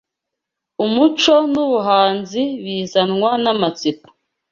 umuco n’ubuhanzi bizanwa n’amatsiko